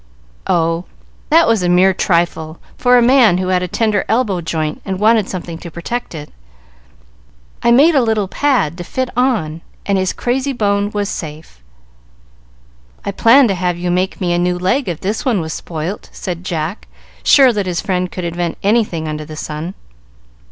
"Oh, that was a mere trifle for a man who had a tender elbow joint and wanted something to protect it. I made a little pad to fit on, and his crazy bone was safe." "I planned to have you make me a new leg if this one was spoilt," said Jack, sure that his friend could invent anything under the sun.